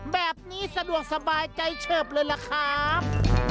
แบบนี้สะดวกสบายใจเฉิบเลยล่ะครับ